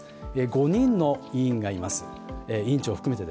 ５人の委員がいます、委員長含めて。